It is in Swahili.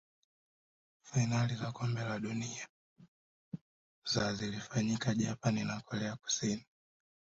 fainali za kombe la dunia za zilifanyika japan na korea kusini